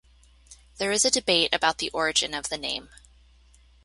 There is a debate about the origin of the name.